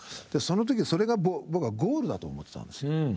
その時それが僕はゴールだと思ってたんですよ。